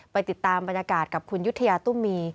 ไปติดตามบรรยากาศกับคุณยุธยาตุ้มมี